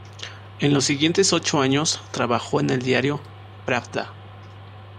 En los siguientes ocho años, trabajó en el diario "Pravda".